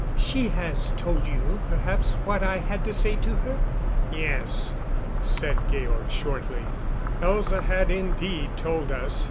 "She has told you, perhaps, what I had to say to her?" "Yes," said Georg shortly. Elza had indeed told us.